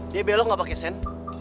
dia belok gak pake sen